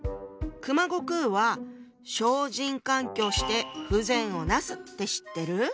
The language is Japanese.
熊悟空は「小人閑居して不善をなす」って知ってる？